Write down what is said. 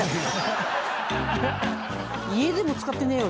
家でも使ってねえよ